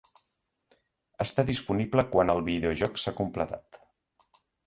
Està disponible quan el videojoc s'ha completat.